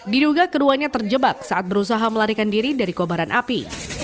diduga keduanya terjebak saat berusaha melarikan diri dari kobaran api